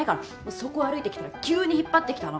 そこ歩いてきたら急に引っ張ってきたの。